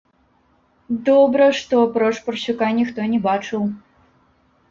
Добра, што, апроч парсюка, ніхто не бачыў.